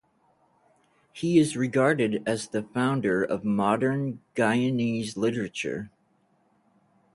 He is regarded as the founder of modern Guyanese literature.